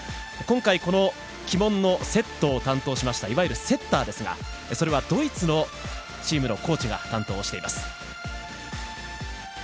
今回、旗門のセットを担当したいわゆるセッターですがそれはドイツのチームのコーチが担当しています。